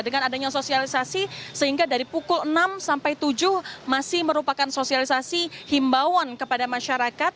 dengan adanya sosialisasi sehingga dari pukul enam sampai tujuh masih merupakan sosialisasi himbauan kepada masyarakat